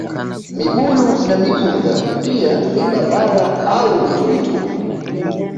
Mibuyu na migunga pia mibabara au miturituri